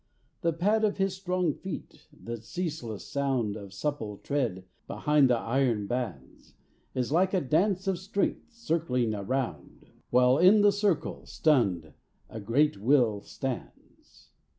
The pad of his strong feet, that ceaseless sound Of supple tread behind the iron bands, Is like a dance of strength circling around, While in the circle, stunned, a great will stands.